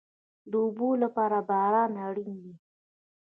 د اوبو لپاره باران اړین دی